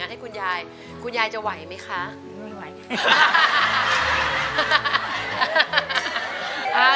ให้คุณยายคุณยายจะไหวไหมคะไม่ไหวค่ะ